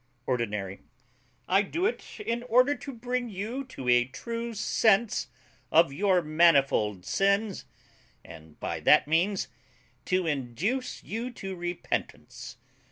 ORDINARY. I do it in order to bring you to a true sense of your manifold sins, and, by that means, to induce you to repentance.